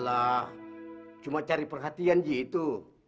lah cuma cari perhatian ji itu